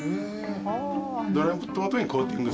ドライトマトにコーティング。